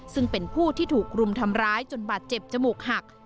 ซึ่งเป็นผู้ที่ถูกรุมทำร้ายจนบาดเจ็บจมูกหัก